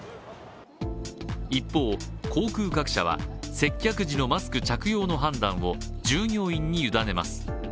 一方、航空各社は接客時のマスク着用の判断を従業員に委ねます。